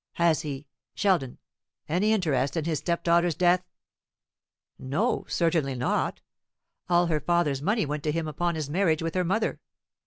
"Has he Sheldon any interest in his stepdaughter's death?" "No, certainly not. All her father's money went to him upon his marriage with her mother.